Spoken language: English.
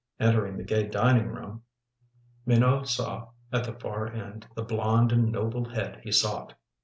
Entering the gay dining room, Minot saw at the far end the blond and noble head he sought.